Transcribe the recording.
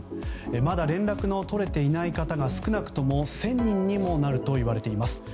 まだ連絡の取れていない方が少なくとも１０００人になるといいます。